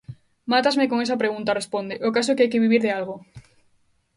"Mátasme con esa pregunta, responde, "o caso é que hai que vivir de algo.